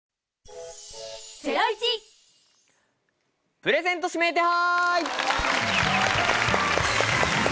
プレゼント指名手配！